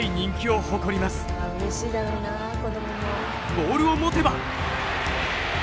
ボールを持てば。